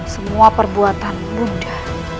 semua perbuatan bunda